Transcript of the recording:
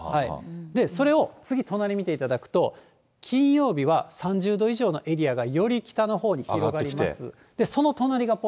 それを次、隣見ていただくと、金曜日は３０度以上のエリアがより北のほうに広がります。